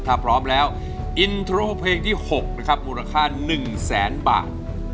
ถ้าพร้อมแล้วอินโทรเพลงที่๖นะครับมูลค่า๑แสนบาท